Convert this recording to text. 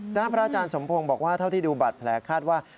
ด้านพระอาจารย์สมพงศ์บอกว่าเท่าที่ดูบัตรแผลคาดว่า